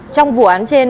trong vụ án trên